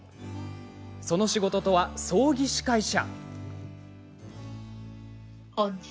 その仕事とは葬儀司会者。